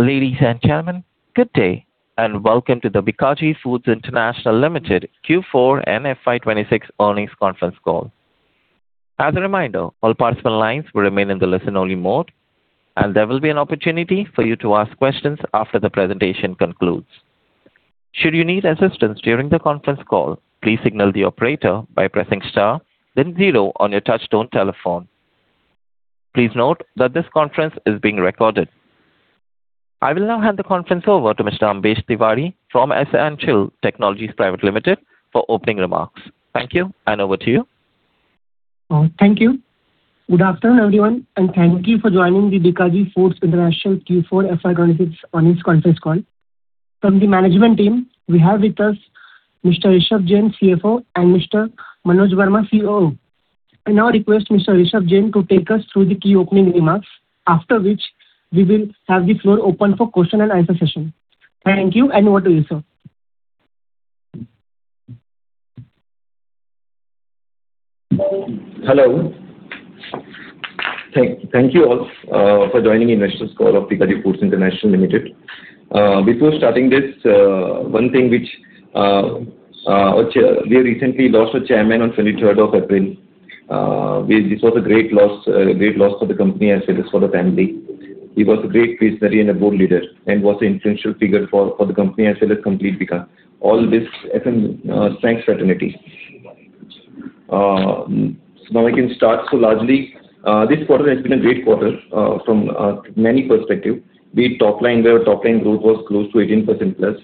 Ladies and gentlemen, good day, and welcome to the Bikaji Foods International Limited Q4 and FY 2026 earnings conference call. As a reminder, all participant lines will remain in the listen-only mode, and there will be an opportunity for you to ask questions after the presentation concludes. Should you need assistance during the conference call, please signal the operator by pressing star then zero on your touch-tone telephone. Please note that this conference is being recorded. I will now hand the conference over to Mr. Ambesh Tiwari from S-Ancial Technologies Private Limited for opening remarks. Thank you, and over to you. Thank you. Good afternoon, everyone, and thank you for joining the Bikaji Foods International Q4 FY 2026 earnings conference call. From the management team, we have with us Mr. Rishabh Jain, CFO, and Mr. Manoj Verma, COO. I now request Mr. Rishabh Jain to take us through the key opening remarks, after which we will have the floor open for question-and-answer session. Thank you, and over to you, sir. Hello. Thank you all for joining the investors' call of Bikaji Foods International Limited. Before starting this, We recently lost our chairman on 23rd of April. This was a great loss for the company, as well as for the family. He was a great visionary and a born leader and was the influential figure for the company as well as complete Bikaji. All this FMCG fraternity. Now I can start. Largely, this quarter has been a great quarter from many perspective. Be it top line, where our top line growth was close to 18%+,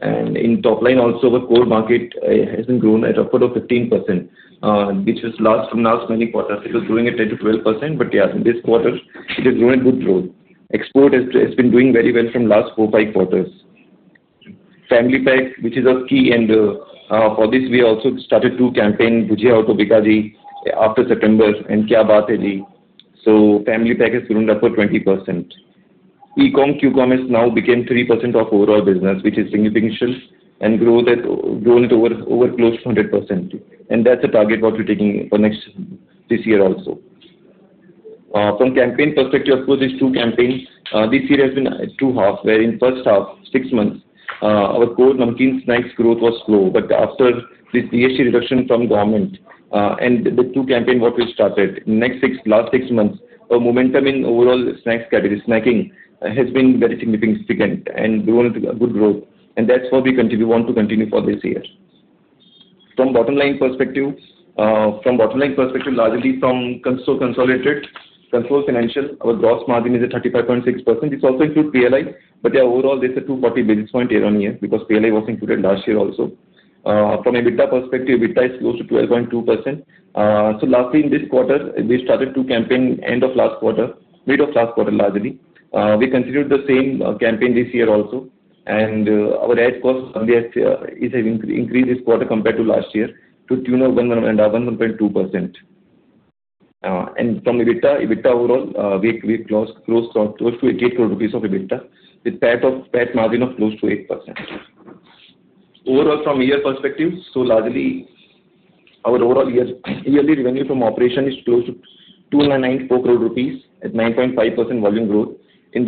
and in top line also, the core market has grown at upward of 15%, which is large from last many quarters. It was growing at 10%-12%. Yes, in this quarter it has grown a good growth. Export has been doing very well from last four, five quarters. Family pack, which is our key, for this we also started two campaigns, "Bhujia Ho Toh Bikaji" after September, and "Kya Baat Hai Ji!". Family pack has grown upward 20%. E-com, q-com now became 3% of overall business, which is significant and grown to over close to 100%. That's a target what we're taking for this year also. From campaign perspective, of course, these two campaigns this year has been two half, where in first half, six months, our core Namkeen snacks growth was slow, after this GST reduction from government and the two campaigns what we started, last six months, our momentum in overall snacks category, snacking, has been very significant and we wanted a good growth. That's what we want to continue for this year. From bottom line perspective, largely from consolidated financial, our gross margin is at 35.6%. This also includes PLI, overall this is 240 basis points year-on-year, because PLI was included last year also. From EBITDA perspective, EBITDA is close to 12.2%. Lastly, in this quarter, we started two campaign end of last quarter, mid of last quarter, largely. We continued the same campaign this year also, our ad cost is having increased this quarter compared to last year to tune of 1.2%. From EBITDA overall, we have closed close to 88 crore rupees of EBITDA with PAT margin of close to 8%. Overall, from year perspective, largely our overall yearly revenue from operation is close to 294 crore rupees at 9.5% volume growth. In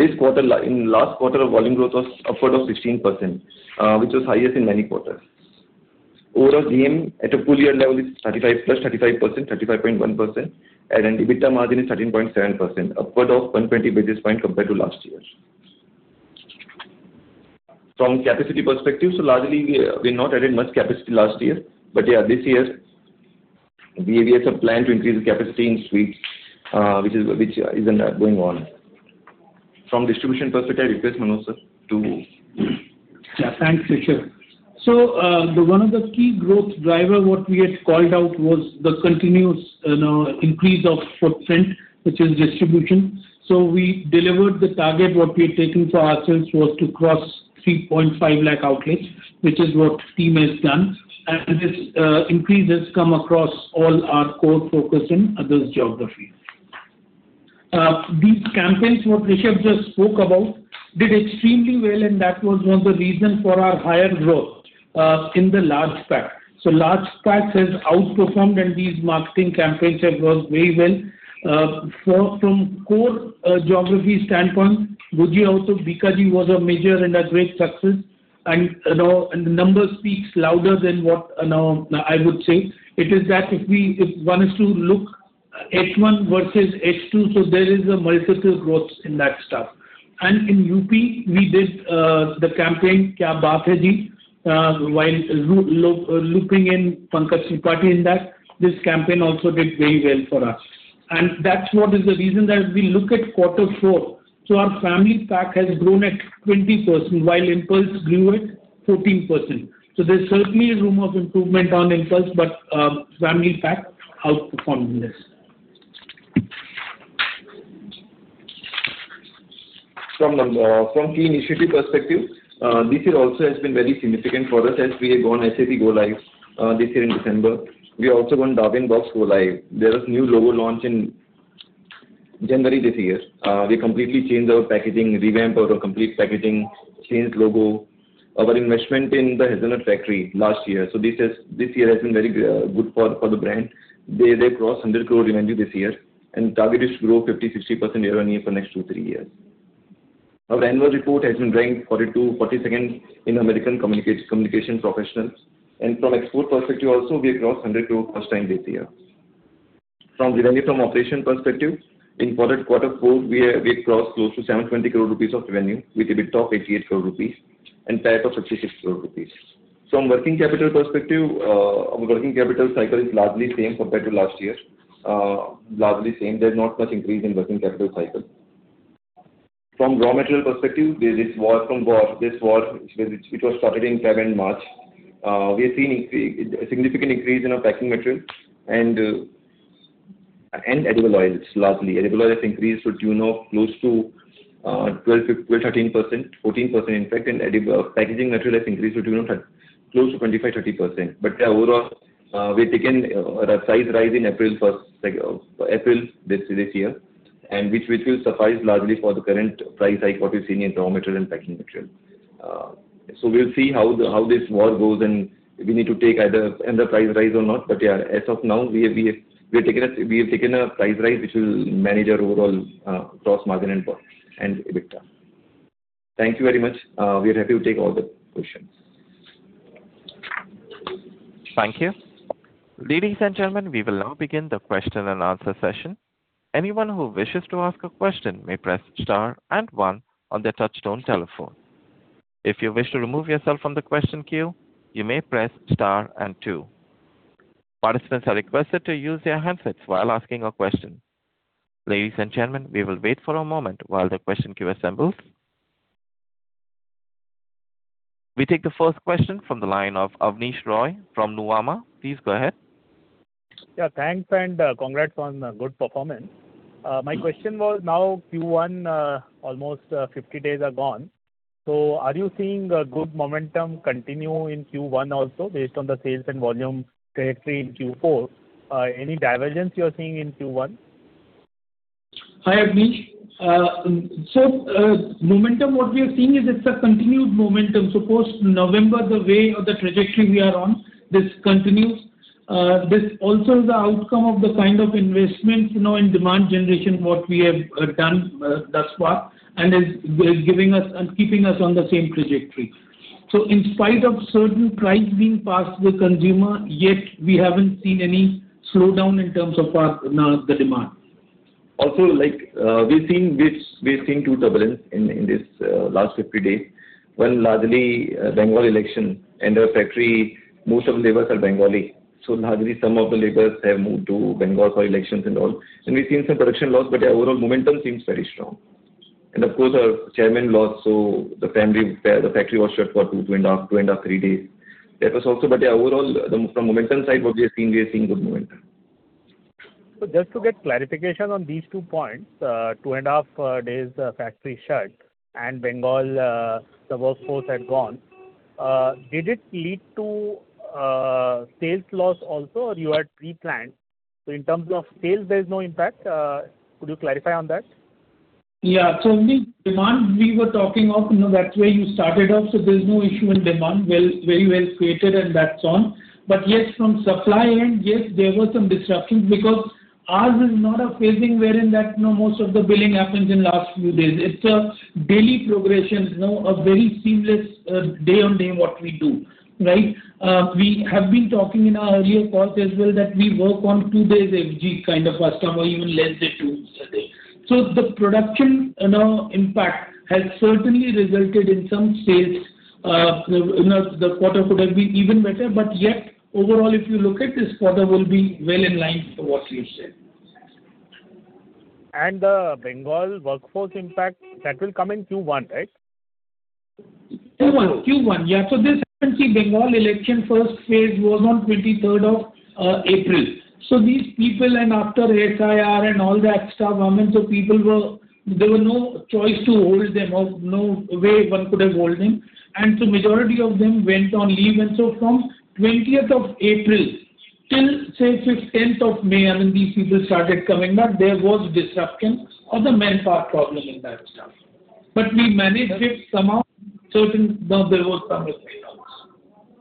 last quarter, our volume growth was upward of 16%, which was highest in many quarters. Overall GM at a full-year level is 35% plus 35%, 35.1%. EBITDA margin is 13.7%, upward of 120 basis point compared to last year. From capacity perspective, largely we've not added much capacity last year. Yeah, this year we have a plan to increase the capacity in sweets which is going on. From distribution perspective, I request Manoj, sir, to- Thanks, Rishabh. One of the key growth drivers what we had called out was the continuous increase of footprint, which is distribution. We delivered the target what we had taken for ourselves was to cross 3.5 lakh outlets, which is what team has done. This increase has come across all our core focus in other geography. These campaigns what Rishabh just spoke about did extremely well and that was one of the reasons for our higher growth in the large packs. Large packs have outperformed and these marketing campaigns have worked very well. From core geography standpoint, "Bhujia Ho To Bikaji" was a major and a great success, the number speaks louder than what now I would say. It is that if one is to look H1 versus H2, there is a multiple growth in that stuff. In UP, we did the campaign "Kya Baat Hai Ji!", while looping in Pankaj Tripathi in that. This campaign also did very well for us. That's what is the reason that we look at quarter four. Our family pack has grown at 20% while impulse grew at 14%. There's certainly a room of improvement on impulse, but family pack outperformed this. From key initiative perspective, this year also has been very significant for us as we have gone SAP Go-live this year in December. We have also gone Darwinbox Go-live. There was new logo launch in January this year. We completely changed our packaging, revamped our complete packaging, changed logo. Our investment in The Hazelnut Factory last year. This year has been very good for the brand. They crossed 100 crore revenue this year, and target is to grow 50%-60% year-on-year for next two, three years. Our annual report has been ranked 42nd in American Communications Professionals. From export perspective also, we have crossed 100 crore first time this year. From revenue from operation perspective, in quarter four, we have crossed close to 720 crore rupees of revenue with EBITDA of 88 crore rupees and PAT of 66 crore rupees. From working capital perspective, our working capital cycle is largely same compared to last year. Largely same. There's not much increase in working capital cycle. From raw material perspective, this war, which was started in 7 March, we are seeing a significant increase in our packing material and edible oils largely. Edible oil has increased to close to 12%, 13%, 14% in fact, and packing material has increased to close to 25%, 30%. Overall, we have taken a price rise in April this year, and which will suffice largely for the current price hike what we're seeing in raw material and packing material. We'll see how this war goes and if we need to take either another price rise or not. Yeah, as of now, we have taken a price rise which will manage our overall gross margin and EBITDA. Thank you very much. We are happy to take all the questions. Thank you. Ladies and gentlemen, we will now begin the question-and-answer session. Anyone who wishes to ask a question may press star and one on the touch-tone telephone. If you wish to remove yourself from the question queue, you may press star and two. We request to use your handset while asking a question. Ladies and gentlemen, we will wait for a moment while the question queue assemble. We take the first question from the line of Abneesh Roy from Nuvama. Please go ahead. Yeah, thanks and congrats on a good performance. My question was now Q1, almost 50 days are gone. Are you seeing a good momentum continue in Q1 also based on the sales and volume trajectory in Q4? Any divergence you are seeing in Q1? Hi, Abneesh. Momentum, what we are seeing is it's a continued momentum. Post-November, the way or the trajectory we are on, this continues. This also is the outcome of the kind of investment in demand generation, what we have done thus far, and is giving us and keeping us on the same trajectory. In spite of certain price being passed to the consumer, yet we haven't seen any slowdown in terms of the demand. We've seen two turbulence in this last 50 days. One, largely Bengal election and our factory, most of the laborers are Bengali. Largely some of the laborers have moved to Bengal for elections and all. We've seen some production loss, but overall momentum seems very strong. Of course, our chairman lost, so the factory was shut for 2.5, 3 days. That was also, but overall, from momentum side, what we are seeing, we are seeing good momentum. Just to get clarification on these two points, 2.5 days factory shut and Bengal, the workforce had gone. Did it lead to sales loss also or you had pre-planned? In terms of sales, there's no impact? Could you clarify on that? Yeah. Abneesh, demand, we were talking of, that way you started off. There's no issue in demand. Very well created and that's on. Yes, from supply end, there were some disruptions because ours is not a phasing where in that most of the billing happens in last few days. It's a daily progression. A very seamless day on day what we do, right? We have been talking in our earlier calls as well that we work on two days FG kind of customer, even less than two. The production impact has certainly resulted in some sales. The quarter could have been even better, yet overall, if you look at this quarter will be well in line to what we have said. The Bengal workforce impact, that will come in Q1, right? Q1. This, see Bengal election first phase was on 23rd of April. These people and after SIR and all that stuff, government, there were no choice to hold them or no way one could have hold them. Majority of them went on leave. From 20th of April till, say, 15th of May, these people started coming back, there was disruption or the manpower problem in that stuff. We managed it somehow, there was some effect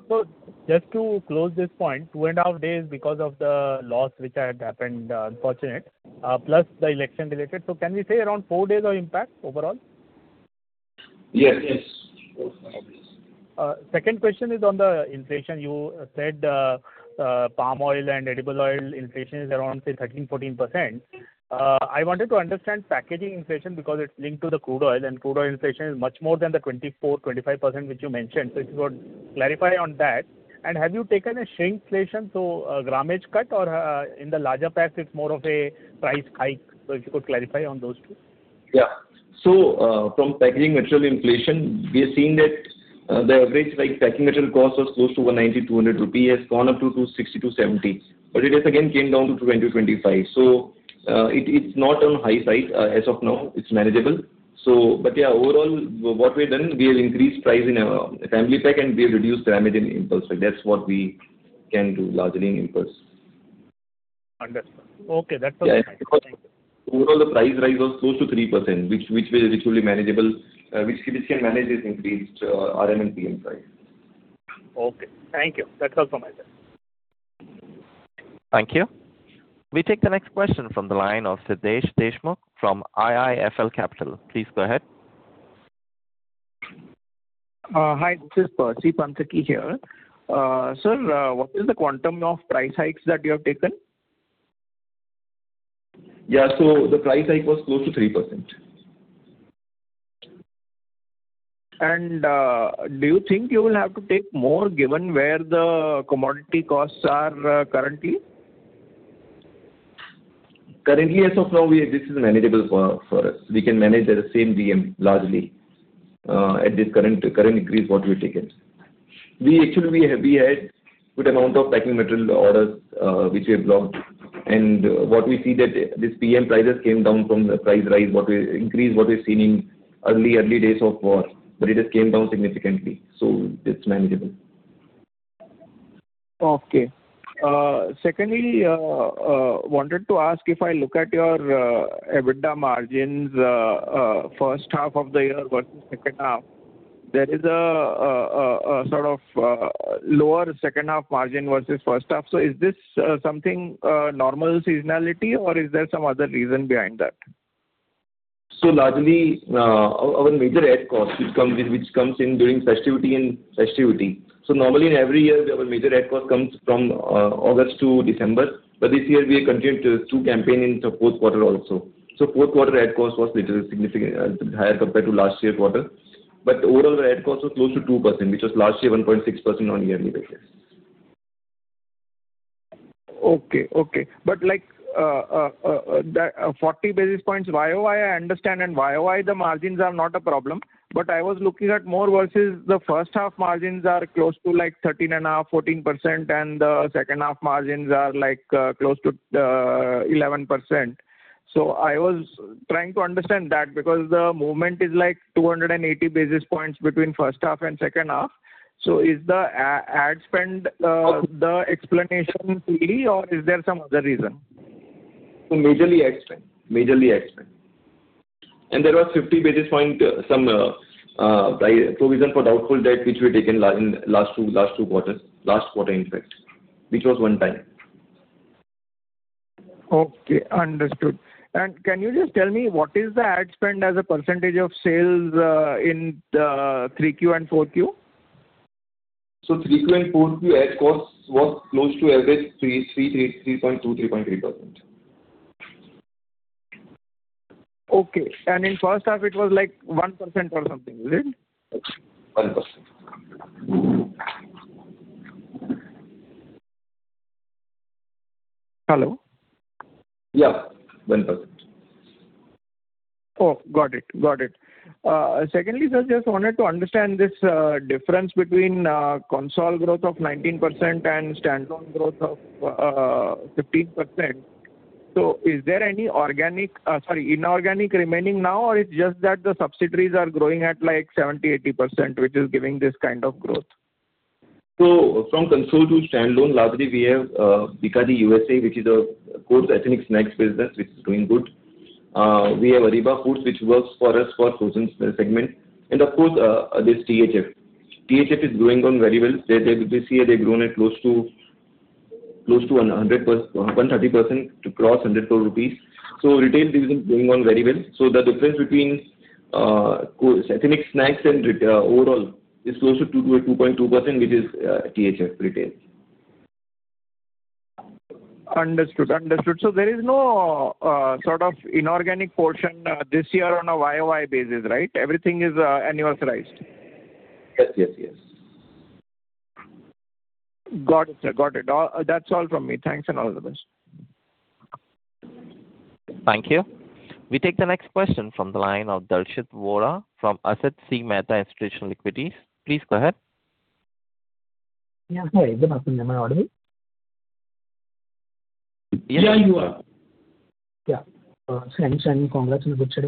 also. Just to close this point, 2.5 days because of the loss which had happened, unfortunate, plus the election related. Can we say around four days of impact overall? Yes. Yes. Second question is on the inflation. You said palm oil and edible oil inflation is around, say, 13%-14%. I wanted to understand packaging inflation because it's linked to the crude oil, and crude oil inflation is much more than the 24%-25%, which you mentioned. If you could clarify on that. Have you taken a shrinkflation, so a grammage cut or in the larger packs it's more of a price hike? If you could clarify on those two. From packaging material inflation, we are seeing that the average packing material cost was close to 190 rupees, 200 rupees, has gone up to 260, INR 270. It has again came down to 20, INR 25. It's not on high side as of now. It's manageable. Overall what we've done, we have increased price in our family pack and we have reduced grammage in impulse. That's what we can do largely in impulse. Understood. Okay, that's all. Thank you. Overall, the price rise was close to 3%, which we can manage this increased RM and PM price. Okay. Thank you. That's all from my side. Thank you. We take the next question from the line of Siddhesh Deshmukh from IIFL Capital. Please go ahead. Hi, this is Percy Panthaki here. Sir, what is the quantum of price hikes that you have taken? Yeah, the price hike was close to 3%. Do you think you will have to take more given where the commodity costs are currently? Currently, as of now, this is manageable for us. We can manage at the same DM, largely, at this current increase what we have taken. Actually, we had good amount of packing material orders, which we have blocked. What we see that these PM prices came down from the price increase what we've seen in early days of war. It has came down significantly, so it's manageable. Okay. Wanted to ask if I look at your EBITDA margins, first half of the year versus second half, there is a sort of lower second half margin versus first half. Is this something normal seasonality or is there some other reason behind that? Largely, our major ad cost, which comes in during festivity. Normally, in every year, our major ad cost comes from August to December, but this year we have continued to campaign in the fourth quarter also. Fourth quarter ad cost was little significant, higher compared to last year quarter, but overall ad cost was close to 2%, which was last year 1.6% on yearly basis. Okay. 40 basis points YoY, I understand, YoY the margins are not a problem. I was looking at more versus the first half margins are close to 13.5%, 14%, the second half margins are close to 11%. I was trying to understand that because the movement is like 280 basis points between first half and second half. Is the ad spend the explanation fully or is there some other reason? Majorly ad spend. There was 50 basis point, some provision for doubtful debt, which we taken last two quarters. Last quarter, in fact, which was one time. Okay, understood. Can you just tell me what is the ad spend as a percentage of sales in the 3Q and 4Q? 3Q and 4Q ad costs was close to average 3.2%, 3.3%. Okay. In first half it was like 1% or something, is it? 1%. Hello? Yeah, 1%. Oh, got it. Secondly, sir, just wanted to understand this difference between consolidated growth of 19% and standalone growth of 15%. Is there any inorganic remaining now or it's just that the subsidiaries are growing at 70%, 80%, which is giving this kind of growth? From consolidated to standalone, largely, we have Bikaji USA, which is a foods, ethnic snacks business which is doing good. We have Ariba Foods, which works for us for frozen segment. Of course, there's THF. THF is going on very well. This year they've grown at close to 130% to cross 100 crore rupees. Retail business is doing on very well. The difference between ethnic snacks and retail overall is close to 2.2%, which is THF retail. Understood. There is no sort of inorganic portion this year on a YoY basis, right? Everything is annualized. Yes. Got it, sir. That's all from me. Thanks and all the best. Thank you. We take the next question from the line of Darshit Vora from Asit C. Mehta Institutional Equities. Please go ahead. Yeah. Hi, good afternoon. Am I audible? Yeah, you are. Yeah. Thanks and congrats on the good set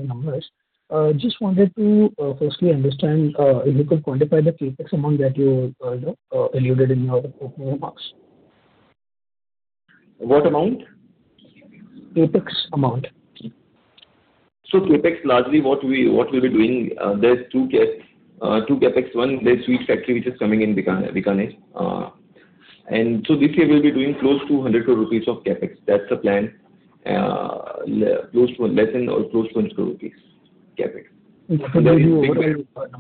of numbers. Just wanted to firstly understand if you could quantify the CapEx amount that you alluded in your opening remarks. What amount? CapEx amount. CapEx, largely what we'll be doing, there's two CapEx. One, the sweets factory, which is coming in Bikaner. This year we'll be doing close to 100 crore rupees of CapEx. That's the plan. Less than or close to 100 crore rupees CapEx. Okay. Can you elaborate further?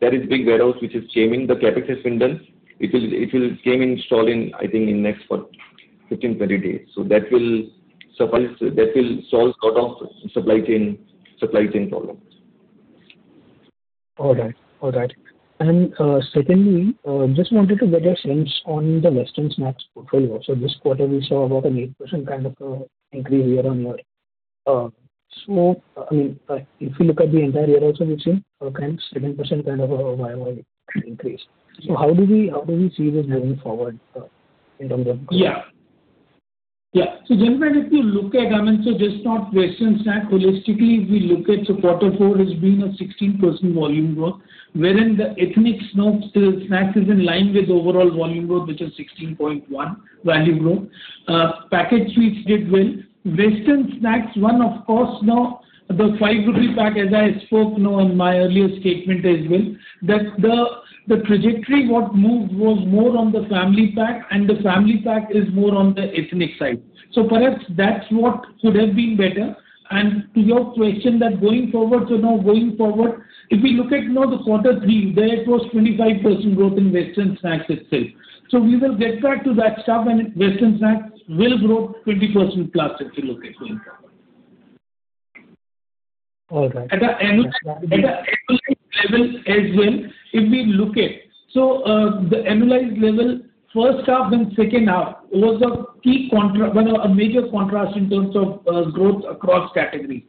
There is big warehouse which is coming. The CapEx has been done. It will come installed I think in next what, 15, 20 days. That will solve lot of supply chain problems. All right. Secondly, just wanted to get your sense on the western snacks portfolio. This quarter we saw about an 8% kind of increase year-on-year. If you look at the entire year also, we've seen a kind 7% kind of a YoY increase. How do we see this moving forward in terms of growth? Yeah. Generally, if you look at, just not Western snack, holistically, if we look at quarter four has been a 16% volume growth, wherein the ethnic snack is in line with overall volume growth, which is 16.1% volume growth. Packaged sweets did well. Western snacks, one, of course now, the 5 rupee pack, as I spoke now in my earlier statement as well, that the trajectory what moved was more on the family pack and the family pack is more on the ethnic side. Perhaps that's what should have been better. To your question that going forward, if we look at now the quarter three, there it was 25% growth in Western snacks itself. We will get back to that stuff and Western snacks will grow 20%+ if you look at going forward. All right. At the analyzed level as well, if we look at, the analyzed level first half and second half, was a major contrast in terms of growth across category.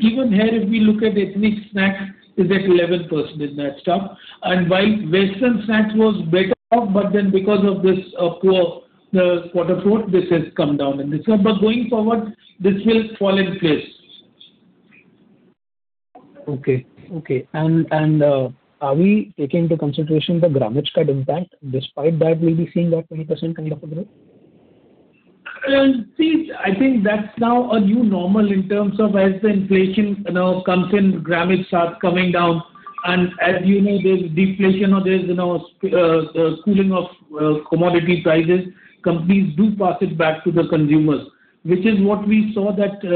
Even here, if we look at ethnic snack, is at 11% in that stuff. While Western snacks was better off, because of this poor quarter four, this has come down a little. Going forward, this will fall in place. Okay. Are we taking into consideration the grammage cut impact? Despite that, we'll be seeing that 20% kind of a growth? I think that's now a new normal in terms of as the inflation now comes in, grammage starts coming down. As you know, there's deflation or there's now cooling of commodity prices, companies do pass it back to the consumers, which is what we saw that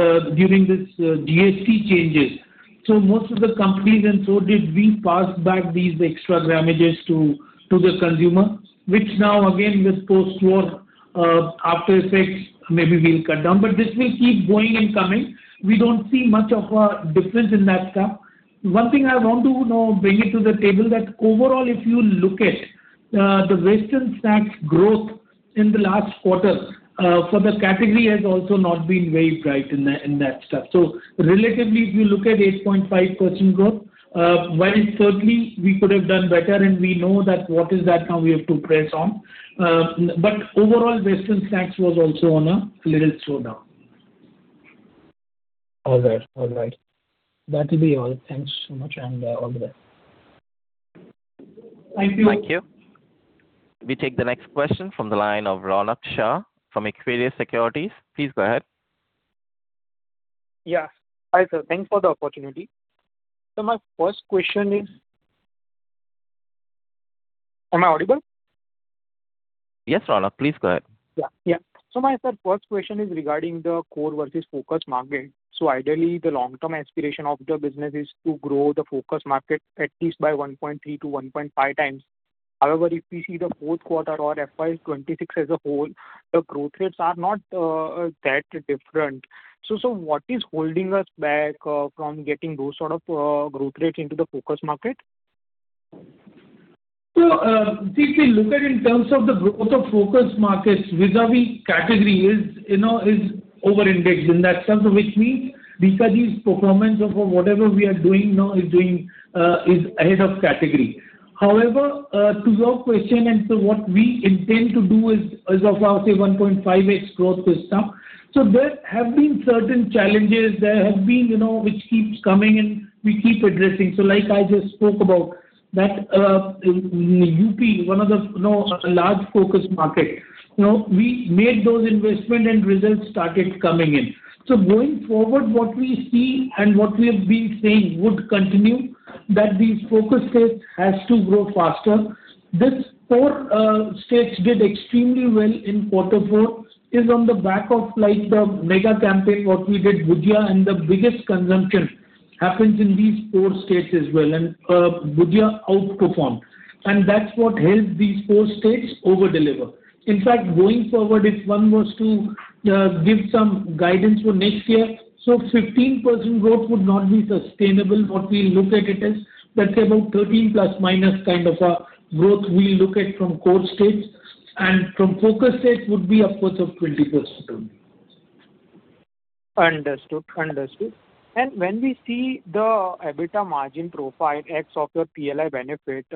during this GST changes. Most of the companies and so did we pass back these extra grammages to the consumer, which now again, this post-war after effects, maybe we'll cut down, but this will keep going and coming. We don't see much of a difference in that stuff. One thing I want to now bring it to the table that overall, if you look at the Western snacks growth in the last quarter, for the category has also not been very bright in that stuff. Relatively, if you look at 8.5% growth, while certainly we could have done better and we know that what is that now we have to press on. Overall, Western snacks was also on a little slowdown. All right. That will be all. Thanks so much and all the best. Thank you. Thank you. We take the next question from the line of Ronak Shah from Equirus Securities. Please go ahead. Yeah. Hi, sir. Thanks for the opportunity. My first question is, am I audible? Yes, Ronak, please go ahead. Yeah. My first question is regarding the core versus focus market. Ideally, the long-term aspiration of the business is to grow the focus market at least by 1.3x-1.5x. However, if we see the fourth quarter or FY 2026 as a whole, the growth rates are not that different. Sir, what is holding us back from getting those sort of growth rate into the focus market? If we look at in terms of the growth of focus markets vis-à-vis category is over-indexed in that sense, which means Bikaji's performance or for whatever we are doing now is ahead of category. However, to your question, what we intend to do is as of our, say, 1.5x growth this term. There have been certain challenges, which keeps coming and we keep addressing. Like I just spoke about that UP, one of the large focus markets. We made those investment and results started coming in. Going forward, what we see and what we have been saying would continue, that these focus states has to grow faster. These four states did extremely well in quarter four, is on the back of like the mega campaign, what we did, Bhujia, and the biggest consumption happens in these four states as well. Bhujia outperformed, and that's what helped these four states over-deliver. In fact, going forward, if one was to give some guidance for next year, 15% growth would not be sustainable. What we look at it is, let's say about 13%± kind of a growth we look at from core states, and from focus states would be upwards of 20%. Understood. When we see the EBITDA margin profile ex of your PLI benefit,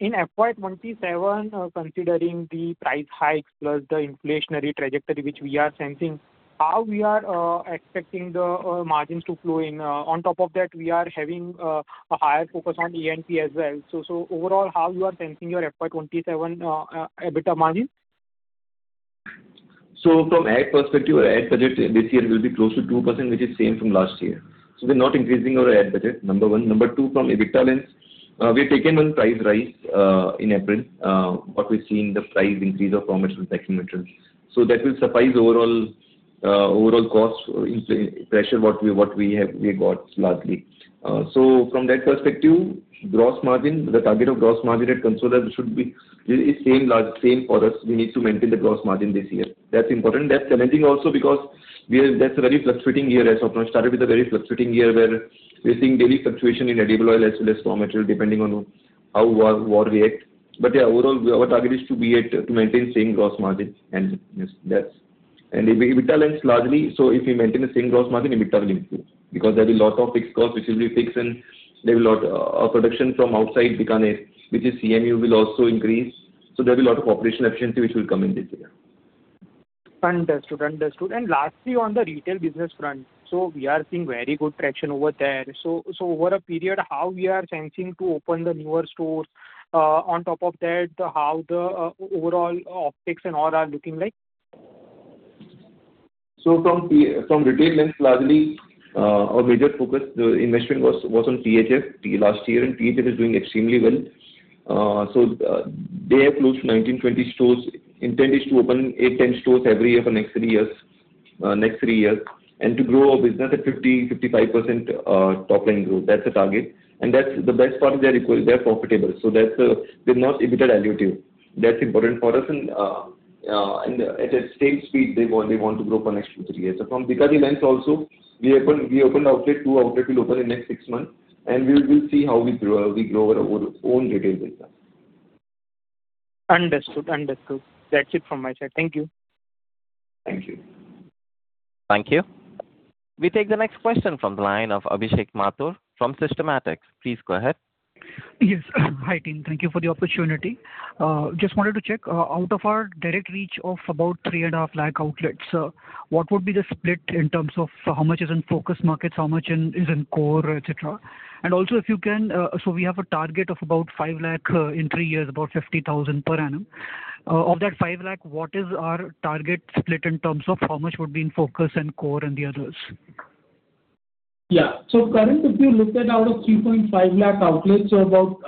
in FY 2027, considering the price hikes plus the inflationary trajectory which we are sensing, how we are expecting the margins to flow in? On top of that, we are having a higher focus on E&P as well. Overall, how you are sensing your FY 2027 EBITDA margin? From ad perspective, our ad budget this year will be close to 2%, which is same from last year. Number one. Number two, from EBITDA lens, we have taken one price rise in April. What we're seeing, the price increase of raw material, pack materials. That will suffice overall cost pressure, what we got largely. From that perspective, gross margin, the target of gross margin at consolidated should be really same for us. We need to maintain the gross margin this year. That's important. That's challenging also because that's a very fluctuating year as of now. Started with a very fluctuating year where we're seeing daily fluctuation in edible oil as well as raw material, depending on how war react. Yeah, overall, our target is to maintain same gross margin. EBITDA lens largely, so if we maintain the same gross margin, EBITDA will improve because there'll be lot of fixed costs which will be fixed, and our production from outside Bikaner, which is CMU, will also increase. There'll be a lot of operational efficiency which will come in this area. Understood. Lastly, on the retail business front, we are seeing very good traction over there. Over a period, how we are sensing to open the newer stores? On top of that, how the overall optics and all are looking like? From retail lens largely, our major focus, the investment was on THF last year, and THF is doing extremely well. They have closed 19, 20 stores. Intent is to open eight, 10 stores every year for next three years, and to grow our business at 50%-55% top line growth. That's the target. That's the best part, they're profitable, so they're not EBITDA dilutive. That's important for us, and at a steady speed, they want to grow for next two, three years. From Bikaji lens also, we opened outlet, two outlet will open in next six months, and we will see how we grow our own retail business. Understood. That's it from my side. Thank you. Thank you. Thank you. We take the next question from the line of Abhishek Mathur from Systematix. Please go ahead. Yes. Hi, team. Thank you for the opportunity. Just wanted to check, out of our direct reach of about 3.5 lakh outlets, what would be the split in terms of how much is in focus markets, how much is in core, et cetera? Also, if you can, so we have a target of about 5 lakh in three years, about 50,000 per annum. Of that 5 lakh, what is our target split in terms of how much would be in focus and core and the others? Yeah. Currently, if you look at out of 3.5 lakh outlets, about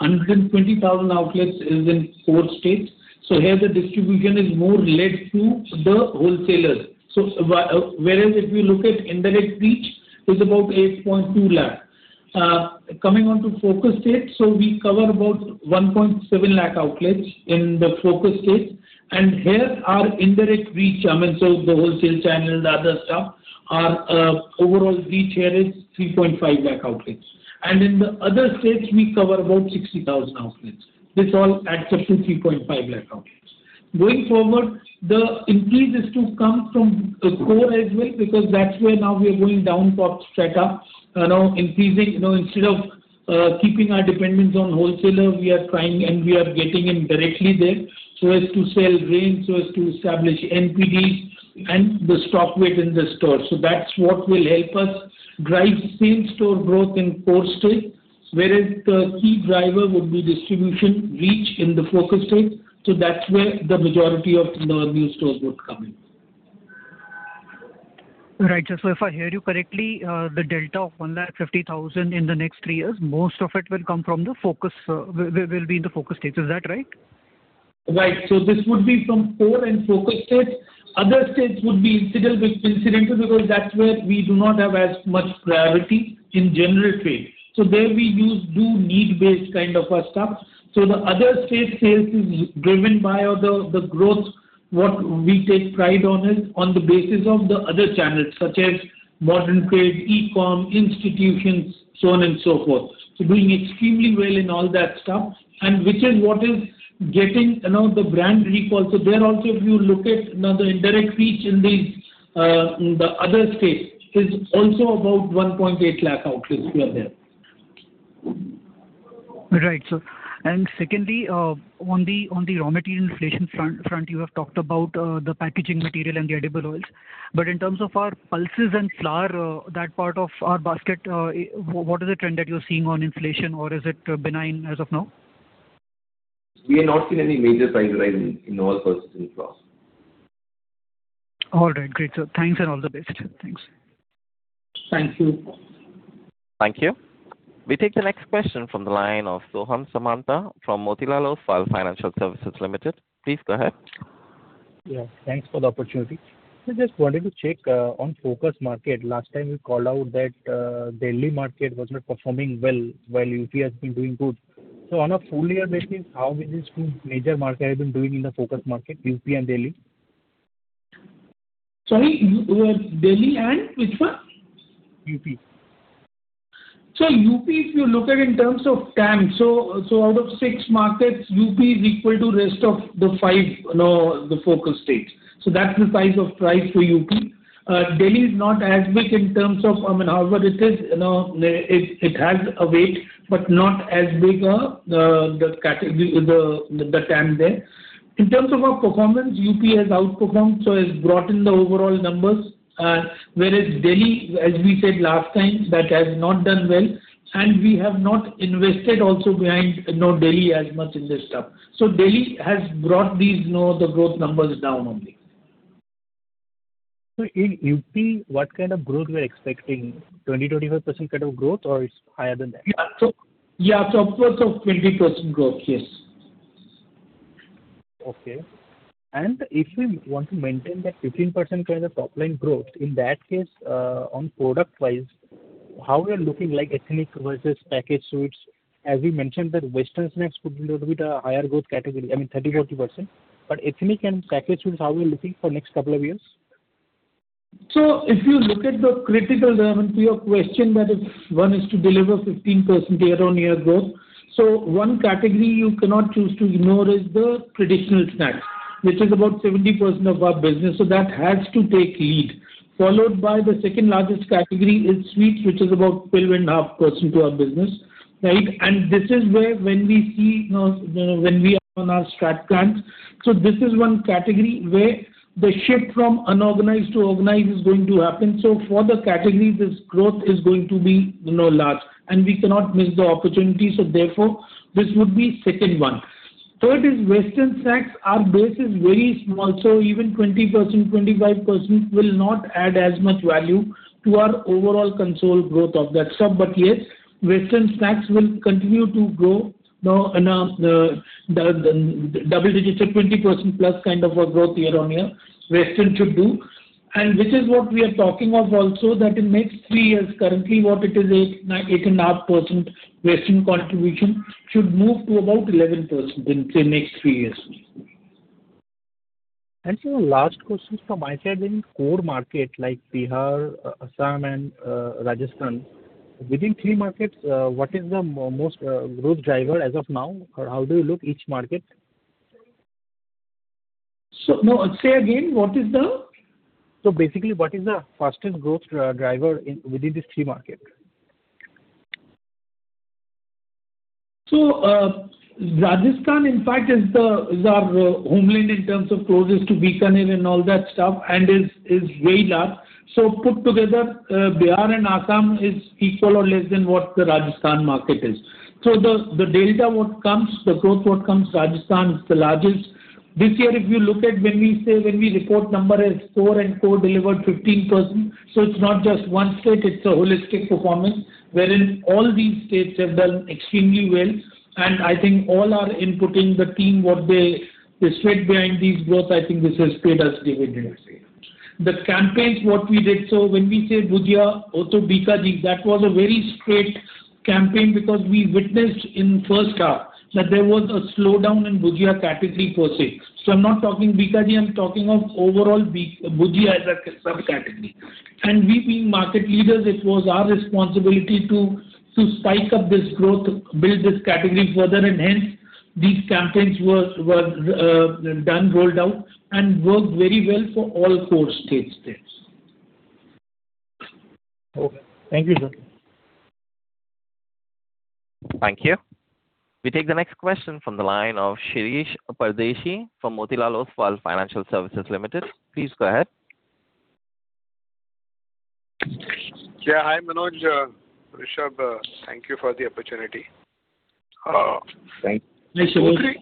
120,000 outlets is in four states. Here the distribution is more led to the wholesalers. Whereas if we look at indirect reach, is about 8.2 lakh. Coming on to focus states, we cover about 1.7 lakh outlets in the focus states, and here our indirect reach, the wholesale channel and the other stuff, our overall reach here is 3.5 lakh outlets. In the other states, we cover about 60,000 outlets. This all adds up to 3.5 lakh outlets. Going forward, the increase is to come from the core as well, because that's where now we are going down pop setup. Instead of keeping our dependence on wholesaler, we are trying and we are getting in directly there so as to sell brands, so as to establish NPDs and the stock weight in the store. That's what will help us drive same store growth in core state, whereas the key driver would be distribution reach in the focus state. That's where the majority of the new stores would come in. Right. If I heard you correctly, the delta of 150,000 in the next three years, most of it will be in the focus states. Is that right? Right. This would be from core and focus states. Other states would be incidental because that's where we do not have as much gravity in general trade. There we do need-based kind of stuff. The other state sales is driven by or the growth, what we take pride on is on the basis of the other channels such as modern trade, e-com, institutions, so on and so forth. Doing extremely well in all that stuff, and which is what is getting the brand recall. There also, if you look at the indirect reach in the other states is also about 1.8 lakh outlets we have there. Right, sir. Secondly, on the raw material inflation front, you have talked about the packaging material and the edible oils. In terms of our pulses and flour, that part of our basket, what is the trend that you're seeing on inflation or is it benign as of now? We have not seen any major price rise in raw pulses and flour. All right. Great, sir. Thanks and all the best. Thanks. Thank you. Thank you. We take the next question from the line of Soham Samanta from Motilal Oswal Financial Services Limited. Please go ahead. Yeah, thanks for the opportunity. I just wanted to check on focus market. Last time you called out that Delhi market was not performing well, while UP has been doing good. On a full-year basis, how these two major markets have been doing in the focus market, UP and Delhi? Sorry, Delhi and which one? UP. UP, if you look at in terms of TAM, out of six markets, UP is equal to rest of the five, the focus states. That's the size of price for UP. Delhi is not as big in terms of, I mean, however it is, it has a weight, but not as big a category, the TAM there. In terms of our performance, UP has outperformed, so has brought in the overall numbers. Whereas Delhi, as we said last time, that has not done well, and we have not invested also behind Delhi as much in this stuff. Delhi has brought these, the growth numbers down only. In UP, what kind of growth we're expecting? 20%-25% kind of growth or it's higher than that? Yeah. upwards of 20% growth. Yes. Okay. If we want to maintain that 15% kind of top-line growth, in that case, on product wise, how we are looking like ethnic versus packaged goods? As we mentioned that western snacks could be a little bit a higher growth category, I mean 30%-40%. Ethnic and packaged goods, how we are looking for next couple of years? If you look at the critical element to your question, that is, one is to deliver 15% year-on-year growth. One category you cannot choose to ignore is the traditional snacks, which is about 70% of our business. That has to take lead. Followed by the second-largest category is sweets, which is about 12.5% to our business, right. This is where when we are on our strat plans. This is one category where the shift from unorganized to organized is going to happen. For the category, this growth is going to be large, and we cannot miss the opportunity, so therefore, this would be second one. Third is western snacks. Our base is very small, so even 20%, 25% will not add as much value to our overall consolidated growth of that stuff. Yes, western snacks will continue to grow. The double-digit or 20%+ kind of a growth year-on-year western should do. This is what we are talking of also that in next three years, currently what it is 8.5% western contribution should move to about 11% in, say, next three years. Sir, last question from my side. In core market like Bihar, Assam, and Rajasthan, within three markets, what is the most growth driver as of now or how do you look each market? No. Say again, what is the? Basically, what is the fastest growth driver within these three markets? Rajasthan, in fact, is our homeland in terms of closest to Bikaner and all that stuff, and is very large. Put together, Bihar and Assam is equal or less than what the Rajasthan market is. The delta what comes, the growth what comes, Rajasthan is the largest. This year, if you look at when we say, when we report number is core and core delivered 15%. It's not just one state, it's a holistic performance, wherein all these states have done extremely well. I think all our inputting, the team, the strength behind this growth, I think this has paid us dividends. The campaigns what we did. When we say "Bhujia Ho Toh Bikaji," that was a very straight campaign because we witnessed in first half that there was a slowdown in Bhujia category per se. I'm not talking Bikaji, I'm talking of overall Bhujia as a subcategory. We being market leaders, it was our responsibility to spike up this growth, build this category further, and hence these campaigns were done, rolled out, and worked very well for all four states. Okay. Thank you, sir. Thank you. We take the next question from the line of Shirish Pardeshi from Motilal Oswal Financial Services Limited. Please go ahead. Yeah. Hi, Manoj, Rishabh. Thank you for the opportunity. Yes, Shirish.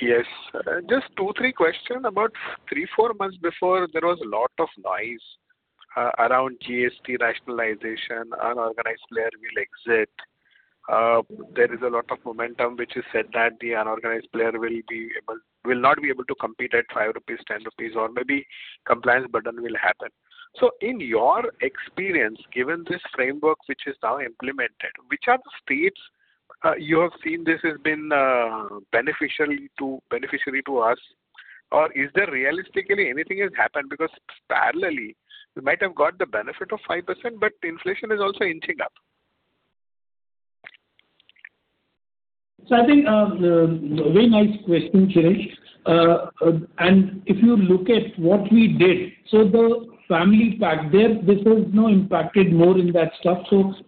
Yes. Just two, three question. About three, four months before, there was a lot of noise around GST rationalization, unorganized player will exit. There is a lot of momentum which is said that the unorganized player will not be able to compete at 5 rupees, 10 rupees or maybe compliance burden will happen. In your experience, given this framework which is now implemented, which are the states you have seen this has been beneficiary to us or is there realistically anything has happened? Parallelly, you might have got the benefit of 5%, but inflation is also inching up. I think, a very nice question, Shirish. If you look at what we did, the family pack there, this has now impacted more in that stuff.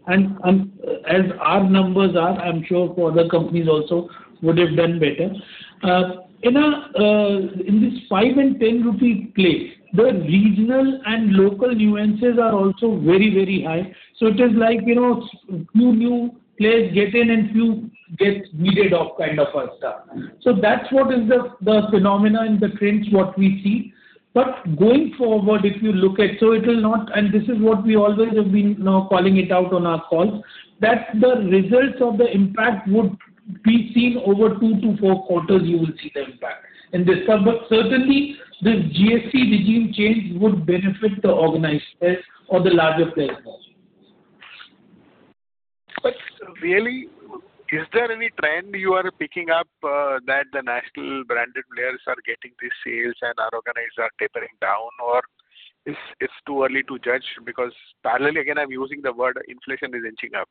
As our numbers are, I am sure for other companies also would have done better. In this 5 and 10 rupee play, the regional and local nuances are also very high. It is like few new players get in and few get weeded off, kind of stuff. That's what is the phenomenon in the trends, what we see. Going forward, if you look at this is what we always have been now calling it out on our calls, that the results of the impact would be seen over two to four quarters, you will see the impact. Certainly, this GST regime change would benefit the organized space or the larger players also. Really, is there any trend you are picking up that the national branded players are getting the sales and unorganized are tapering down or it's too early to judge? Parallel, again, I'm using the word inflation is inching up.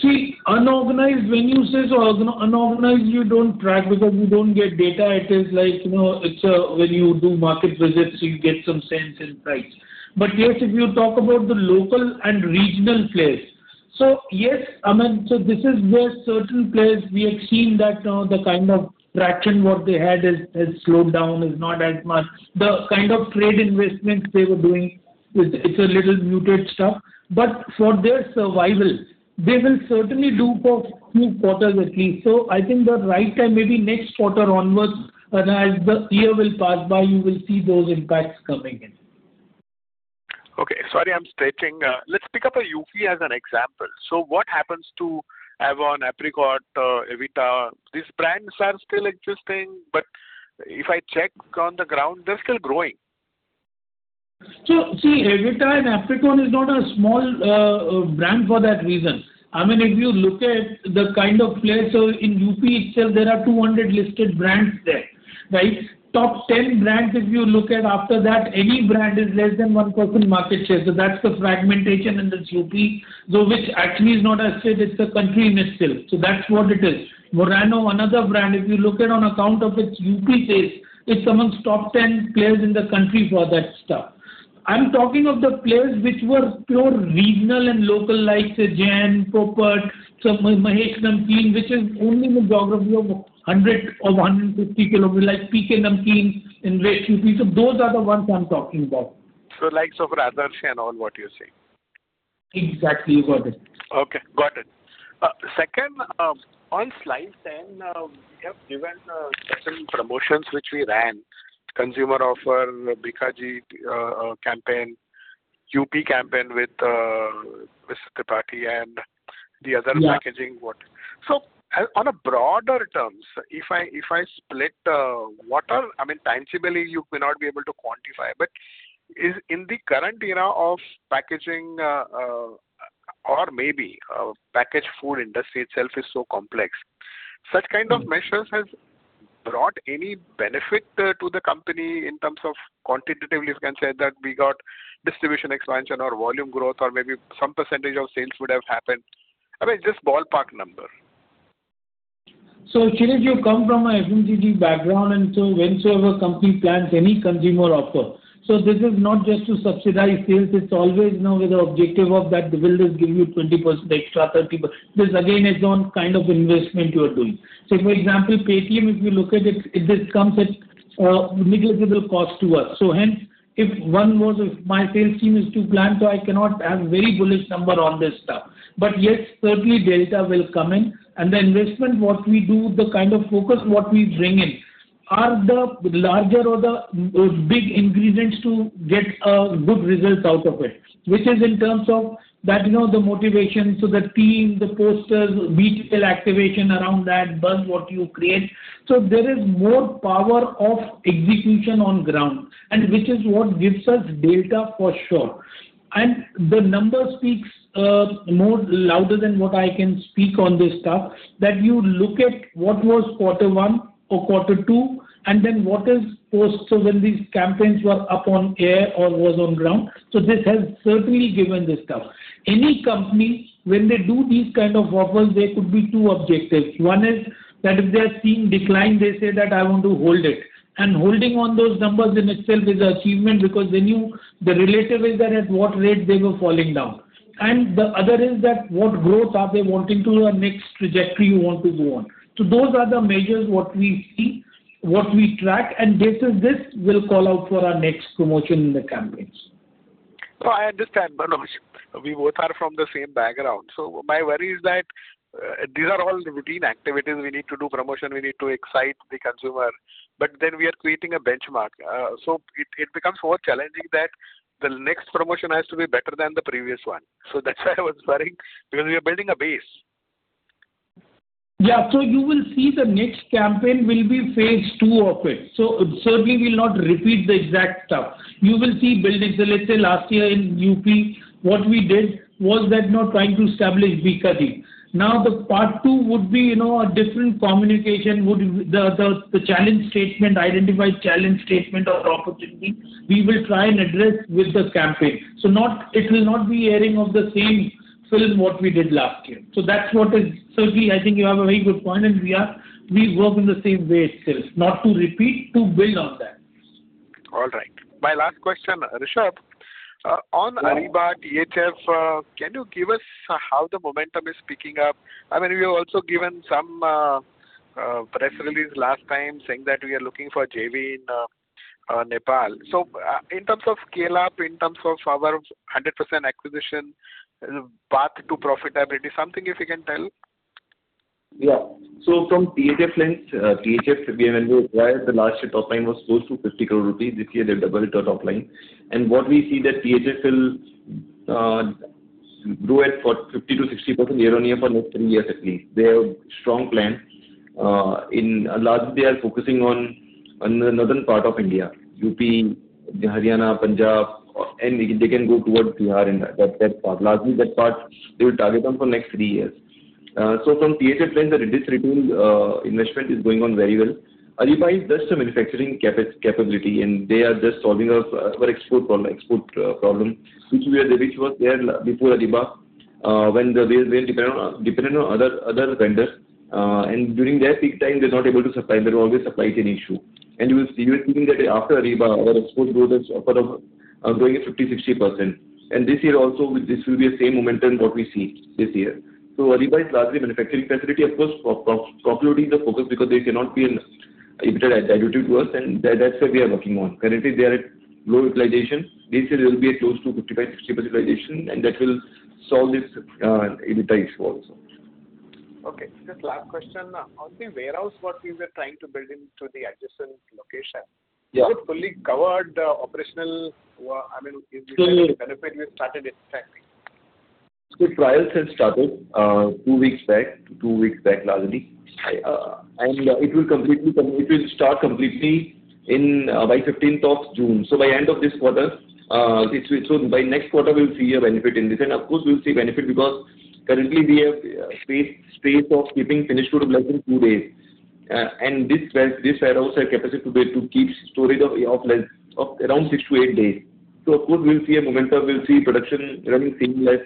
See, unorganized, when you say so, unorganized, you don't track because you don't get data. It is like when you do market visits, you get some sense in price. Yes, if you talk about the local and regional players, yes, this is where certain players we have seen that now the kind of traction what they had has slowed down, is not as much. The kind of trade investments they were doing, it's a little muted stuff. For their survival, they will certainly do for two quarters at least. I think the right time may be next quarter onwards, as the year will pass by, you will see those impacts coming in. Okay. Sorry, I'm stretching. Let's pick up a UP as an example. What happens to A-One, Apricot, Evita? These brands are still existing, but if I check on the ground, they're still growing. Evita and Apricot is not a small brand for that reason. If you look at the kind of players, in UP itself, there are 200 listed brands there, right. Top 10 brands, if you look at after that, any brand is less than 1% market share. That's the fragmentation in this UP. Though which actually is not as said, it's a country in itself. That's what it is. Morano, another brand, if you look at on account of its UP sales, it's amongst top 10 players in the country for that stuff. I'm talking of the players which were pure regional and local like Sajan, Kopert, Mahesh Namkeen, which is only in the geography of 100 km or 150 km. Like PK Namkeen in west UP. Those are the ones I'm talking about. Likes of Adarsh and all, what you're saying? Exactly. You got it. Okay, got it. Second, on slide 10, we have given certain promotions which we ran. Consumer offer, Bikaji campaign, UP campaign with Tripathi and the other- Yeah. Packaging what. On a broader terms, if I split, I mean, tangibly you may not be able to quantify, but in the current era of packaging or maybe packaged food industry itself is so complex. Such kind of measures have brought any benefit to the company in terms of quantitatively you can say that we got distribution expansion or volume growth or maybe some percentage of sales would have happened. I mean, just ballpark number. Shirish, you come from a FMCG background whenever company plans any consumer offer. This is not just to subsidize sales, it's always known with the objective of that the build is giving you 20% extra, 30%. This again is one kind of investment you are doing. For example, Paytm, if you look at it just comes at negligible cost to us. Hence, if my sales team is to plan, I cannot have very bullish number on this stuff. Yes, certainly data will come in, and the investment what we do, the kind of focus what we bring in, are the larger or the big ingredients to get a good result out of it. Which is in terms of the motivation, so the team, the posters, retail activation around that, buzz what you create. There is more power of execution on ground, and which is what gives us data for sure. The number speaks more louder than what I can speak on this stuff. You look at what was quarter one or quarter two and then what is post. When these campaigns were up on air or was on ground, so this has certainly given this stuff. Any company, when they do these kind of offers, there could be two objectives. One is that if they are seeing decline, they say that I want to hold it. Holding on those numbers in itself is achievement because when you. The relative is that at what rate they were falling down. The other is that what growth are they wanting to or next trajectory you want to go on. Those are the measures what we see, what we track, and based on this, we'll call out for our next promotion in the campaigns. I understand, Manoj. We both are from the same background. My worry is that these are all routine activities. We need to do promotion. We need to excite the consumer. We are creating a benchmark. It becomes more challenging that the next promotion has to be better than the previous one. That's why I was worrying because we are building a base. Yeah. You will see the next campaign will be phase II of it. Certainly we'll not repeat the exact stuff. You will see build. Let's say last year in UP, what we did was that now trying to establish Bikaji. Now, the part two would be a different communication, the challenge statement, identified challenge statement or opportunity, we will try and address with this campaign. It will not be airing of the same film what we did last year. That's what is. Certainly, I think you have a very good point, and we work in the same way itself. Not to repeat, to build on that. All right. My last question, Rishabh, on Ariba, THF, can you give us how the momentum is picking up? I mean, we have also given some press release last time saying that we are looking for JV in Nepal. In terms of scale-up, in terms of our 100% acquisition path to profitability, something if you can tell. Yeah. From THF lens, THF, we have been doing well. The last year top line was close to INR 50 crore. This year they've doubled their top line. What we see that THF will do it for 50%-60% year-on-year for next three years at least. They have strong plan. In large, they are focusing on the northern part of India, UP, Haryana, Punjab, and they can go towards Bihar and that part. Largely that part they will target on for next three years. From THF lens, the retail investment is going on very well. Ariba is just a manufacturing capability, and they are just solving our export problem, which was there before Ariba, when they were dependent on other vendors. During their peak time, they're not able to supply. There were always supply chain issue. You will see even that after Ariba, our export growth is growing at 50%-60%. This year also, this will be a same momentum what we see this year. Ariba is largely manufacturing facility. Of course, profitability is a focus because they cannot be diluted to us, and that's why we are working on. Currently, they are at low utilization. This year they'll be at close to 55%-60% utilization, and that will solve this Ariba issue also. Okay. Just last question. On the warehouse, what we were trying to build into the adjacent location- Yeah. You have fully covered operational benefit you started expecting. Trials have started two weeks back, largely. It will start completely by 15th of June. By end of this quarter. By next quarter, we'll see a benefit in this. We'll see benefit because currently, we have space of keeping finished goods like in two days, and this warehouse has capacity to keep storage of around six to eight days. We'll see a momentum, we'll see production running seamless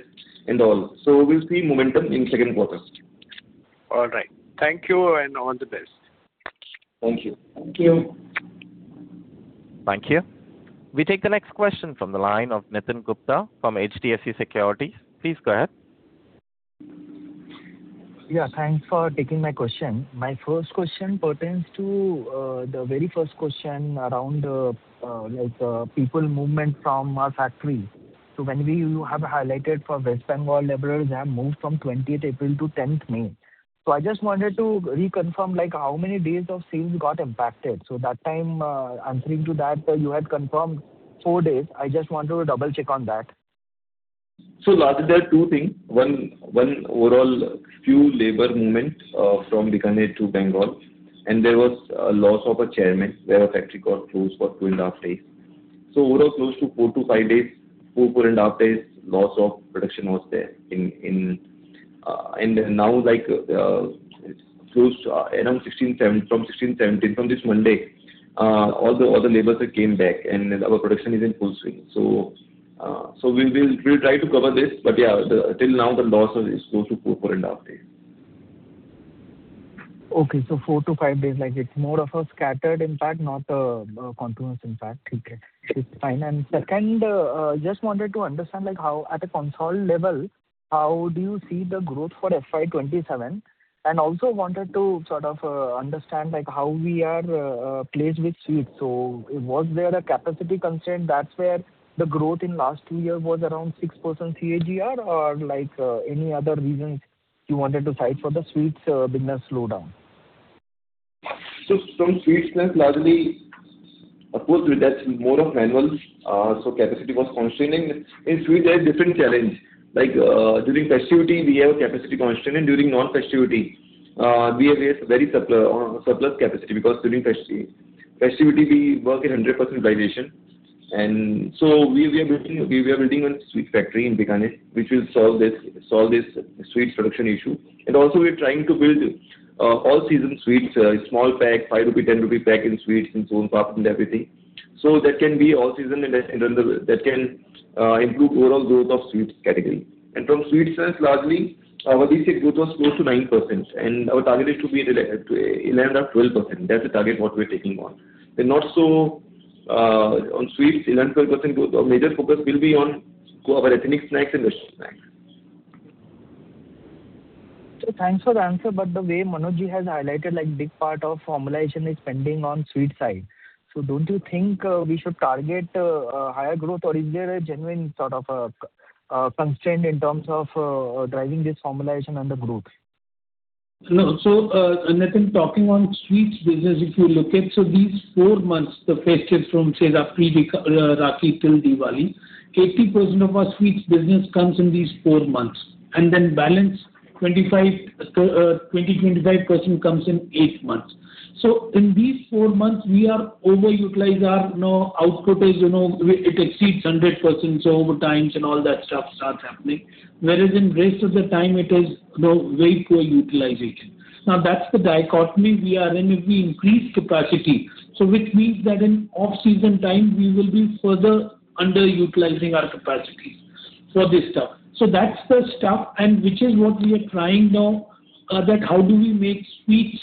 and all. We'll see momentum in second quarter. All right. Thank you, and all the best. Thank you. Thank you. Thank you. We take the next question from the line of Nitin Gupta from HDFC Securities. Please go ahead. Thanks for taking my question. My first question pertains to the very first question around people movement from our factory. When we have highlighted for West Bengal laborers have moved from 20th April to 10th May. I just wanted to reconfirm how many days of sales got impacted. That time, answering to that, you had confirmed four days. I just wanted to double-check on that. Lastly, there are two things. One, overall, few labor movements from Bikaner to Bengal, and there was a loss of a chairman where a factory got closed for 2.5 days. Overall, close to four to five days, 4.5 days loss of production was there. Now from 16th, 17th, from this Monday, all the laborers had came back, and our production is in full swing. We'll try to cover this. Yeah, till now the loss is close to 4.5 days. Okay, four to five days. It's more of a scattered impact, not a continuous impact. Okay. It's fine. Second, just wanted to understand at a consolidated level, how do you see the growth for FY 2027? Also wanted to sort of understand how we are placed with sweets. Was there a capacity constraint that's where the growth in last two years was around 6% CAGR or any other reasons you wanted to cite for the sweets business slowdown? From sweets, largely, of course, that's more of manual. Capacity was constraining. In sweets there are different challenges. During festivities, we have capacity constraints, and during non-festivity, we have a very surplus capacity because during festivity, we work in 100% utilization. We are building one sweets factory in Bikaner, which will solve this sweets production issue. We are trying to build all-season sweets, small pack, 5 rupee, 10 rupee pack in sweets and cone pack and everything. That can be all season, and that can improve overall growth of sweets category. From sweets sales, largely, our basic growth was close to 9%, and our target is to be 11% or 12%. That's the target what we're taking on. On sweets, 11%-12% growth, our major focus will be on our ethnic snacks and western snacks. Thanks for the answer, but the way Manoj ji has highlighted, big part of formulation is pending on sweet side. Don't you think we should target higher growth or is there a genuine sort of constraint in terms of driving this formulation and the growth? No. Nitin, talking on sweets business, if you look at these four months, the festive from, say, Rakhi till Diwali, 80% of our sweets business comes in these four months, balance 20%-25% comes in eight months. In these four months, we are over-utilized. Our output, it exceeds 100%, overtime and all that stuff starts happening. Whereas in rest of the time, it is very poor utilization. That's the dichotomy we are in if we increase capacity. Which means that in off-season time, we will be further under-utilizing our capacity for this stuff. That's the stuff and which is what we are trying now, that how do we make sweets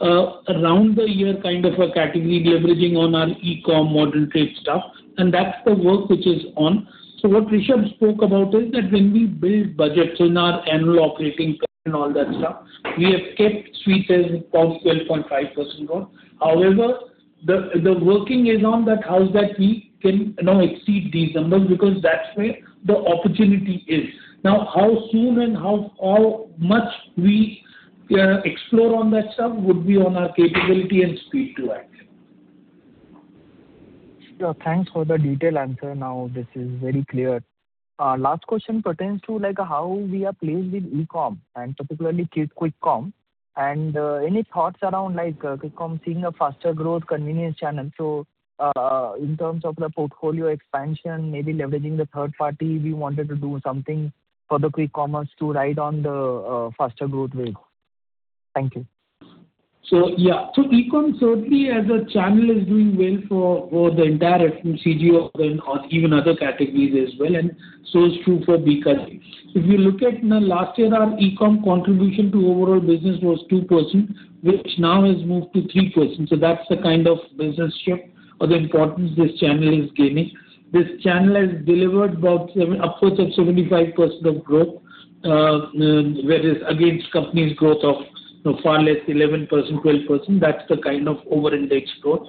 around the year kind of a category, leveraging on our e-com, modern trade stuff, and that's the work which is on. What Rishabh spoke about is that when we build budgets in our annual operating plan and all that stuff, we have kept sweets as about 12.5% growth. However, the working is on that how that we can now exceed these numbers because that's where the opportunity is. How soon and how much we explore on that stuff would be on our capability and speed to act. Yeah. Thanks for the detailed answer. Now this is very clear. Last question pertains to how we are placed with e-com, and particularly q-com, and any thoughts around q-com seeing a faster growth convenience channel. In terms of the portfolio expansion, maybe leveraging the third party, we wanted to do something for the q-commerce to ride on the faster growth wave. Thank you. Yeah. E-commerce certainly as a channel is doing well for the entire FMCG or even other categories as well, and so is true for Bikaji. If you look at last year, our e-commerce contribution to overall business was 2%, which now has moved to 3%. That's the kind of business shift or the importance this channel is gaining. This channel has delivered upwards of 75% of growth, whereas against company's growth of far less, 11%, 12%, that's the kind of over index growth.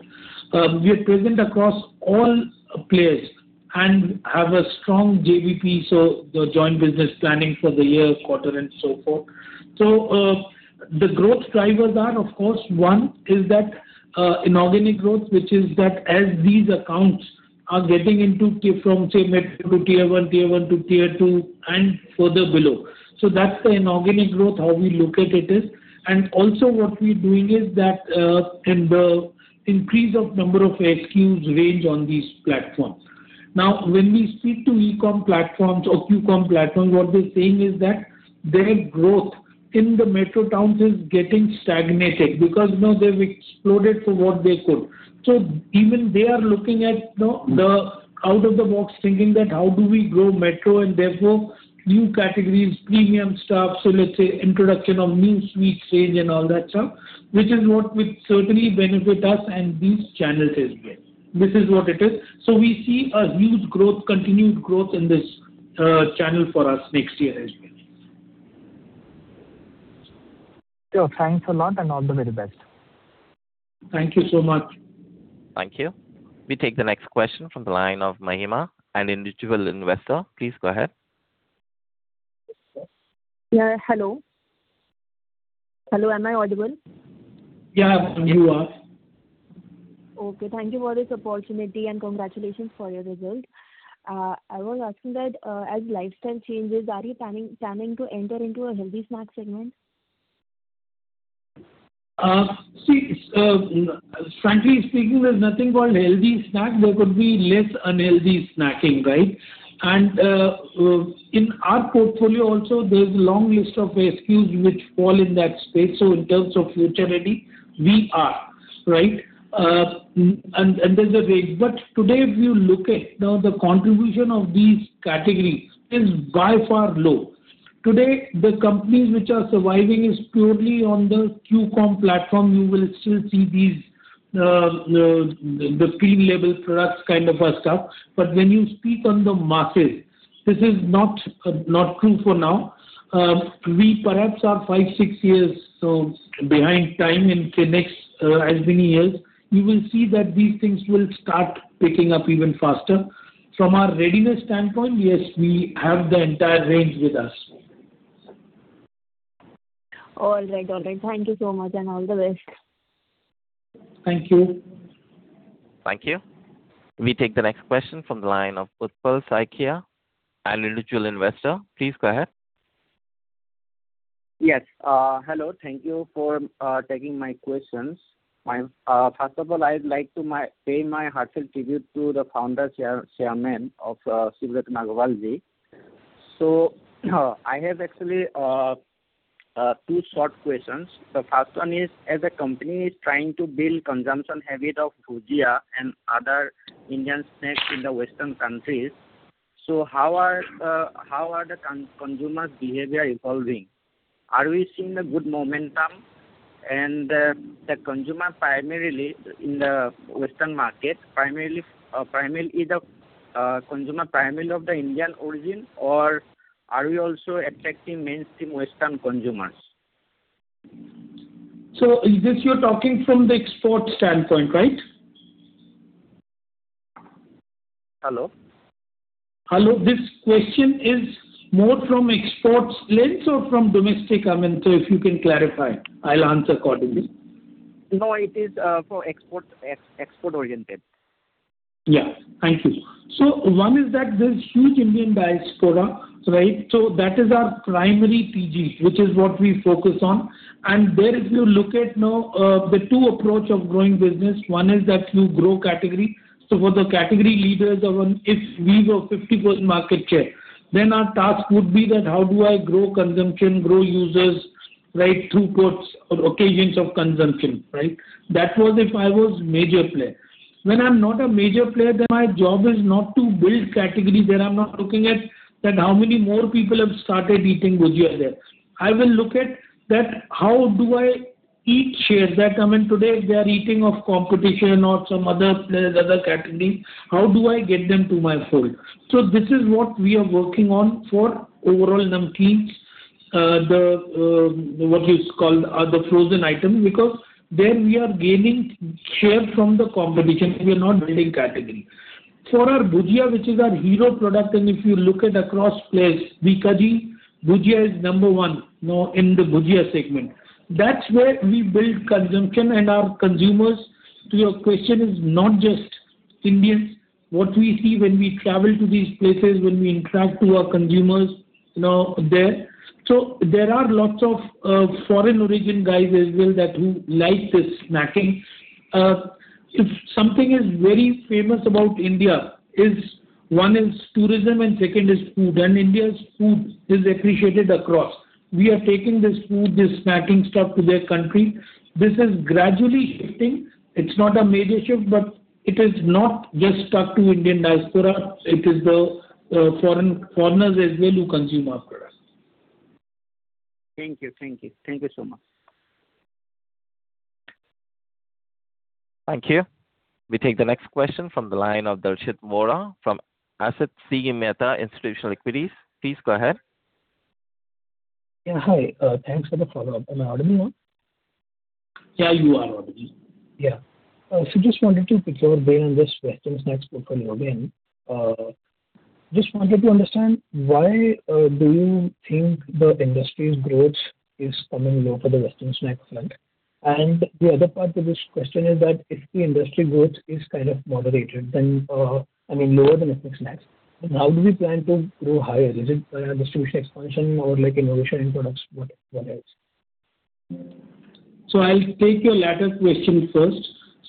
We are present across all players and have a strong JBP, so the joint business planning for the year, quarter, and so forth. The growth drivers are, of course, one is that inorganic growth, which is that as these accounts are getting into from, say, Tier 4 to Tier 1, Tier 1 to Tier 2, and further below. That's the inorganic growth, how we look at it is. Also what we're doing is that increase of number of SKUs range on these platforms. When we speak to e-com platforms or q-com platforms, what they're saying is that their growth in the metro towns is getting stagnated because now they've exploded to what they could. Even they are looking at the out-of-the-box thinking that how do we grow metro and therefore new categories, premium stuff, let's say introduction of new sweet range and all that stuff, which is what will certainly benefit us and these channels as well. This is what it is. We see a huge continued growth in this channel for us next year as well. Sure. Thanks a lot, and all the very best. Thank you so much. Thank you. We take the next question from the line of Mahima, an individual investor. Please go ahead. Yeah. Hello, am I audible? Yeah. You are. Okay. Thank you for this opportunity, and congratulations for your result. I was asking that, as lifestyle changes, are you planning to enter into a healthy snack segment? See, frankly speaking, there's nothing called healthy snack. There could be less unhealthy snacking, right? In our portfolio also, there's a long list of SKUs which fall in that space, so in terms of futurity, we are, right? There's a range. Today, if you look at now the contribution of these categories is by far low. Today, the companies which are surviving is purely on the q-com platform. You will still see the premium label products kind of stuff. When you speak on the masses, this is not true for now. We perhaps are five, six years behind time, in the next as many years, you will see that these things will start picking up even faster. From our readiness standpoint, yes, we have the entire range with us. All right. Thank you so much and all the best. Thank you. Thank you. We take the next question from the line of Utpal Saikia, an individual investor. Please go ahead. Yes. Hello. Thank you for taking my questions. First of all, I'd like to pay my heartfelt tribute to the founder chairman of Shiv Ratan Agarwal ji. I have actually two short questions. The first one is, as a company is trying to build consumption habit of Bhujia and other Indian snacks in the Western countries, how are the consumer's behavior evolving? Are we seeing a good momentum? The consumer primarily in the Western market, is the consumer primarily of the Indian origin or are we also attracting mainstream Western consumers? Is this you're talking from the export standpoint, right? Hello? Hello. This question is more from exports lens or from domestic? If you can clarify, I'll answer accordingly. No, it is for export-oriented. Thank you. One is that there's huge Indian diaspora, right? That is our primary TG, which is what we focus on. There if you look at now the two approach of growing business, one is that you grow category. For the category leaders, if we were 50% market share, then our task would be that how do I grow consumption, grow users, right, through occasions of consumption, right? That was if I was major player. When I'm not a major player, then my job is not to build category there. I'm not looking at that how many more people have started eating Bhujia there. I will look at that how do I eat shares that come in today, they are eating of competition or some other players, other category, how do I get them to my fold? This is what we are working on for overall namkeen, the frozen item, because there we are gaining share from the competition. We are not building category. For our Bhujia, which is our hero product, and if you look at across place, Bikaji Bhujia is number one now in the Bhujia segment. That's where we build consumption and our consumers, to your question, is not just Indians. What we see when we travel to these places, when we interact with our consumers there. There are lots of foreign origin guys as well who like this snacking. If something is very famous about India is, one is tourism and second is food, and India's food is appreciated across. We are taking this food, this snacking stuff to their country. This is gradually shifting. It's not a major shift, but it is not just stuck to Indian diaspora. It is the foreigners as well who consume our products. Thank you, thank you so much. Thank you. We take the next question from the line of Darshit Vora from Asit C. Mehta Institutional Equities. Please go ahead. Yeah. Hi. Thanks for the follow-up. Am I audible now? Yeah, you are audible. Yeah. Just wanted to pick your brain on this Western snacks portfolio again. Just wanted to understand, why do you think the industry's growth is coming low for the Western snacks front? The other part to this question is that if the industry growth is kind of moderated, I mean lower than ethnic snacks, then how do we plan to grow higher? Is it distribution expansion or innovation in products? What else? I'll take your latter question first.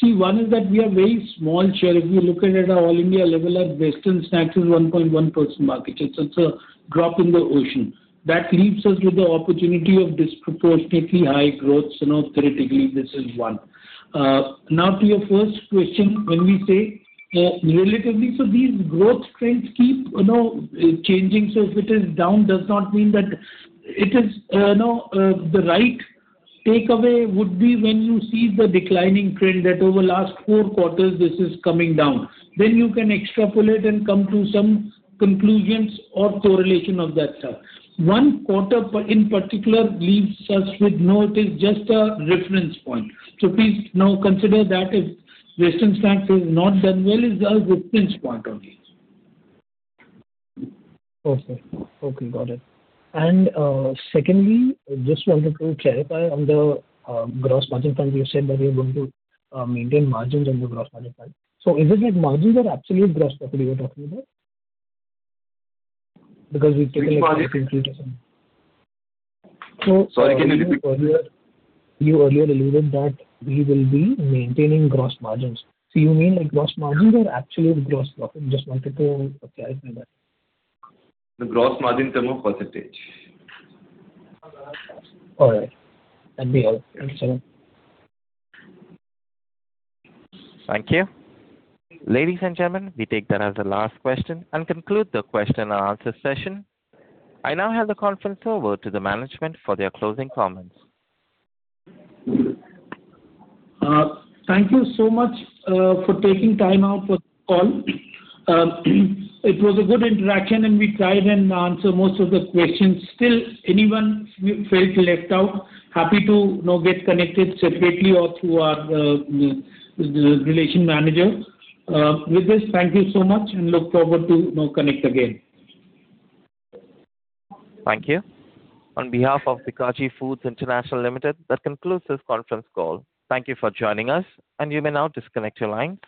See, one is that we are very small share. If you look at it at all India level, our Western snacks is 1.1% market share, so it's a drop in the ocean. That leaves us with the opportunity of disproportionately high growth, theoretically, this is one. To your first question, when we say, relatively, so these growth trends keep changing. If it is down, does not mean that. The right takeaway would be when you see the declining trend that over last four quarters this is coming down, then you can extrapolate and come to some conclusions or correlation of that sort. One quarter in particular leaves us with nothing, just a reference point. Please now consider that if Western snacks has not done well, it's a reference point only. Okay. Got it. Secondly, just wanted to clarify on the gross margin front, you said that you're going to maintain margins on the gross margin front. Is it like margins or absolute gross profit you're talking about? Which margin? So- Sorry, can you repeat? You earlier alluded that we will be maintaining gross margins. You mean like gross margins or absolute gross profit? Just wanted to clarify that. The gross margin term of percentage. All right. That'd be all. Thanks a lot. Thank you. Ladies and gentlemen, we take that as the last question and conclude the question-and-answer session. I now hand the conference over to the management for their closing comments. Thank you so much for taking time out for the call. It was a good interaction, and we tried and answered most of the questions. Still, anyone felt left out, happy to now get connected separately or through our relation manager. With this, thank you so much and look forward to now connect again. Thank you. On behalf of Bikaji Foods International Limited, that concludes this conference call. Thank you for joining us, and you may now disconnect your line.